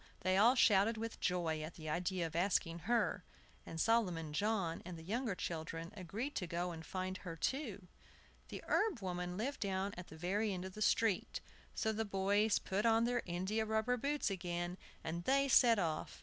They all shouted with joy at the idea of asking her, and Solomon John and the younger children agreed to go and find her too. The herb woman lived down at the very end of the street; so the boys put on their india rubber boots again, and they set off.